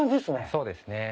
そうですね。